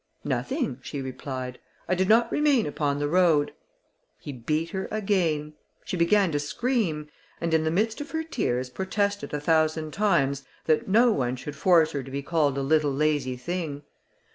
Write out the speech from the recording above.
"Nothing," she replied, "I did not remain upon the road." He beat her again: she began to scream, and in the midst of her tears protested a thousand times, that no one should force her to be called a little lazy thing.